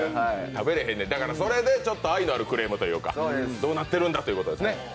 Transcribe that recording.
だからそれで愛なるクレームというかどうなってるんやということですね。